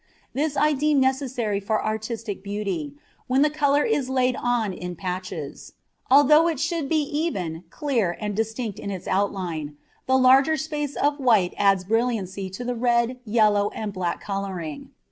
This I deem necessary for artistic beauty, when the colour is laid on in patches, although it should be even, clear, and distinct in its outline; the larger space of white adds brilliancy to the red, yellow, and black colouring.